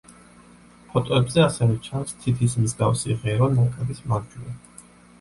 ფოტოებზე ასევე ჩანს თითის მსგავსი ღერო ნაკადის მარჯვნივ.